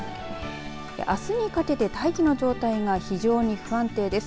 あすにかけて大気の状態が非常に不安定です。